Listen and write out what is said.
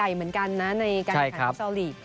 เหมือนกันนะในการแข่งสอลีบ